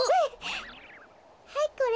はいこれ。